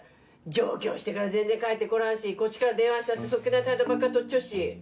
上京してから全然帰ってこらんしこっちから電話したって素っ気ない態度ばっかりとっちょるし。